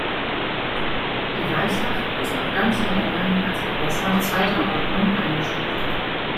Die Weißach ist auf ganzer Länge als Gewässer zweiter Ordnung eingestuft.